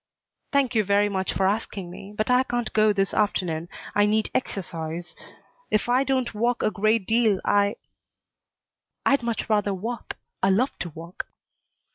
"Thank you very much for asking me, but I can't go this afternoon. I need exercise. If I don't walk a great deal I " "I'd much rather walk. I love to walk."